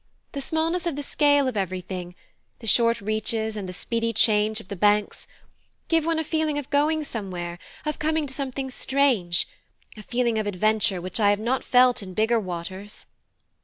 The smallness of the scale of everything, the short reaches, and the speedy change of the banks, give one a feeling of going somewhere, of coming to something strange, a feeling of adventure which I have not felt in bigger waters."